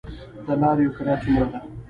د لاریو کرایه څومره ده؟